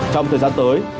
trong thời gian tới